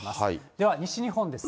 では、西日本です。